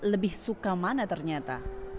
lebih suka mana ternyata